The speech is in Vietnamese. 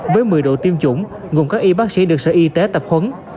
với một mươi độ tiêm chủng gồm các y bác sĩ được sở y tế tập huấn